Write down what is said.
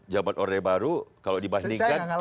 zaman orang baru kalau dibandingkan